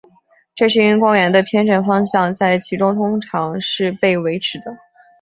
这是因为光源的偏振方向在其中通常是被维持的。